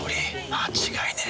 間違いねえ。